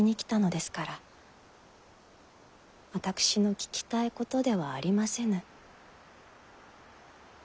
私の聞きたいことではありませぬ。